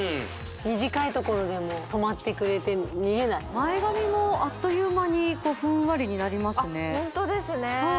短いところでも止まってくれて逃げない前髪もあっという間にこうふんわりになりますねあっ